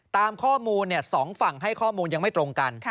ตามข้อมูล๒ฝั่งให้ข้อมูลยังไม่ตรงกัน